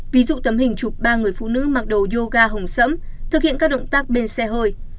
ví dụ tấm hình chụp ba người phụ nữ mặc đồ yoga hồng sẫm thực hiện các động tác bên xe hơi